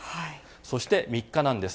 そして３日なんです。